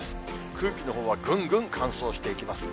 空気のほうは、ぐんぐん乾燥していきます。